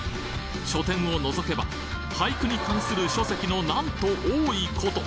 書店を覗けば俳句に関する書籍のなんと多い事！